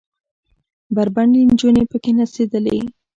بربنډې نجونې پکښې نڅېدلې.